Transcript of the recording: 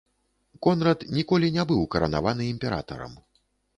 Конрад ніколі не быў каранаваны імператарам.